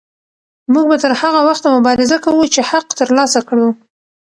موږ به تر هغه وخته مبارزه کوو چې حق ترلاسه کړو.